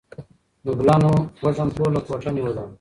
د ګلانو وږم ټوله کوټه نیولې وه.